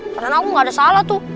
karena aku gak ada salah tuh